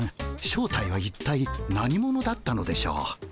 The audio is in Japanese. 正体はいったい何者だったのでしょう。